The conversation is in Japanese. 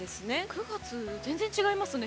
９月、全然違いますね。